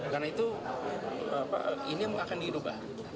karena itu ini akan dirubah